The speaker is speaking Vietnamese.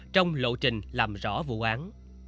trong lộ trình làm rõ vụ án